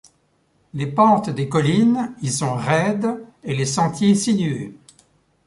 Les pentes des collines y sont raides et les sentiers sinueux.